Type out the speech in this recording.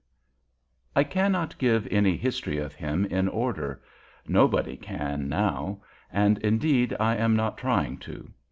I cannot give any history of him in order; nobody can now; and, indeed, I am not trying to.